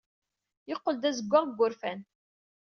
Yeqqel d azewwaɣ seg wurfan.